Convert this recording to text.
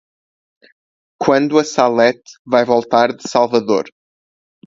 Quando a Salete vai voltar de Salvador?